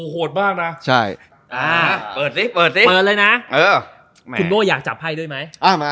โหดมากเปิดซิคุณโจ้อยอยากจับไพ่ด้วยมั้ย